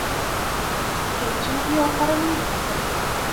Quem te enviou para mim?